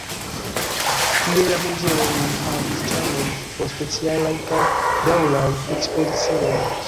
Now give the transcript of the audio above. Tie la muzeo nun havis ĉambrojn por specialaj kaj daŭraj ekspozicioj.